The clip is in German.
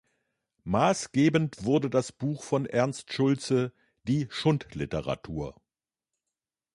Maßgebend wurde das Buch von Ernst Schultze: "Die Schundliteratur.